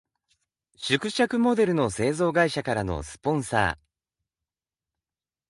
縮尺モデルの製造会社からのスポンサー。